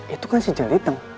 itu kan si jeliteng